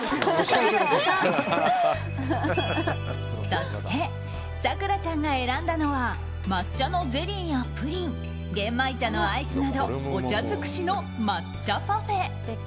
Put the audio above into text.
そして咲楽ちゃんが選んだのは抹茶のゼリーやプリン玄米茶のアイスなどお茶尽くしの抹茶パフェ。